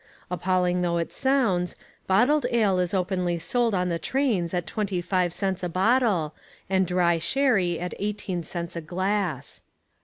Appalling though it sounds, bottled ale is openly sold on the trains at twenty five cents a bottle and dry sherry at eighteen cents a glass.